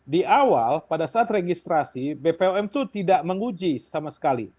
di awal pada saat registrasi bpom itu tidak menguji sama sekali